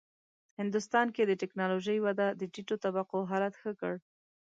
هندوستان کې د ټېکنالوژۍ وده د ټیټو طبقو حالت ښه کړ.